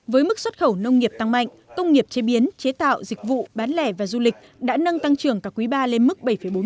với mức xuất khẩu nông nghiệp tăng mạnh công nghiệp chế biến chế tạo dịch vụ bán lẻ và du lịch đã nâng tăng trưởng cả quý ba lên mức bảy bốn mươi